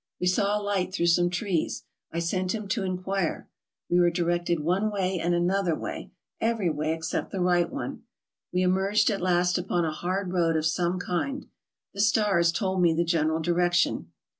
We saw a light through some trees. I sent him to in quire. We were directed one way and another way, every way except the right one. We emerged at last upon a hard road of some kind. The stars told me the general di rection.